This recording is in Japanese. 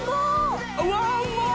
うわうまい。